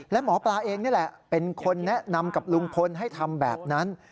และหมอปลาเองนี่แหละเป็นคนแนะนำกับลุงพลให้ทำแบบนั้น